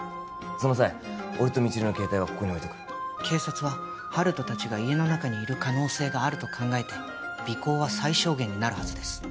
その際俺と未知留の携帯はここに置いとく警察は温人達が家の中にいる可能性があると考えて尾行は最小限になるはずです